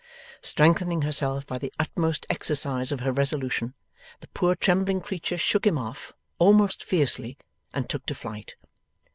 Strengthening herself by the utmost exercise of her resolution, the poor trembling creature shook him off, almost fiercely, and took to flight.